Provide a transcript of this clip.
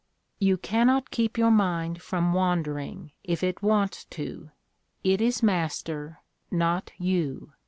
"You cannot keep your mind from wandering, if it wants to; it is master, not you.